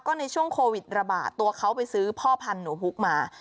ในช่วงโควิดระบาดตัวเขาไปซื้อพ่อพันธุ์หนูพุกมา